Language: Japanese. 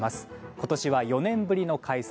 今年は４年ぶりの開催